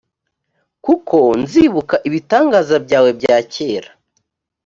kuko nzibuka ibitangaza byawe bya kera